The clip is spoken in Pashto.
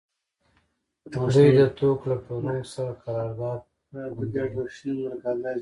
دوی د توکو له پلورونکو سره قرارداد بنداوه